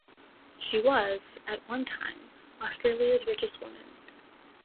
She was, at one time, Australia's richest woman.